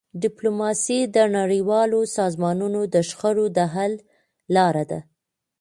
ډيپلوماسي د نړیوالو سازمانونو د شخړو د حل لاره ده.